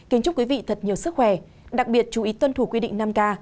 kính chúc quý vị thật nhiều sức khỏe đặc biệt chú ý tuân thủ quy định năm k